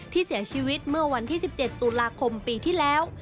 ที่เสียชีวิตเมื่อวันที่๑๗ตุลาคมปีที่แล้ว